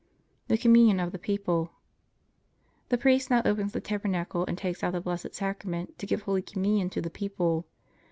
THE COMMUNION OF THE PEOPLE The priest now opens the tabernacle and takes out the Blessed Sacrament to give holy communion to the people.